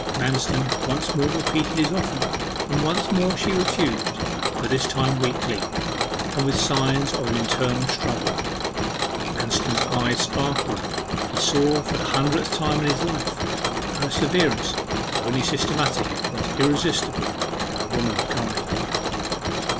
Manston once more repeated his offer; and once more she refused, but this time weakly, and with signs of an internal struggle. Manston's eye sparkled; he saw for the hundredth time in his life, that perseverance, if only systematic, was irresistible by womankind.